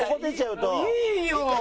いいよ！